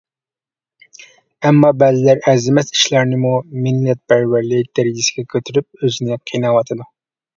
ئەمما بەزىلەر ئەرزىمەس ئىشلارنىمۇ مىللەتپەرۋەرلىك دەرىجىسىگە كۆتۈرۈپ ئۆزىنى قىيناۋاتىدۇ.